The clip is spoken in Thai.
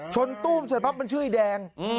ตู้มเสร็จปั๊บมันชื่อไอ้แดง